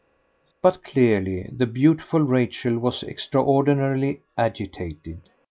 But clearly the beautiful Rachel was extraordinarily agitated.